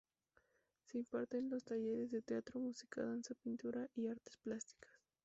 Se imparten los talleres de teatro, música, danza, pintura y artes plásticas.